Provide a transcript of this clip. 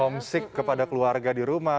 omsit kepada keluarga di rumah